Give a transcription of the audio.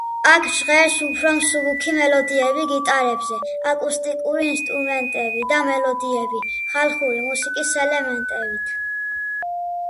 აქ ჟღერს უფრო მსუბუქი მელოდიები გიტარებზე, აკუსტიკური ინსტრუმენტები და მელოდიები ხალხური მუსიკის ელემენტებით.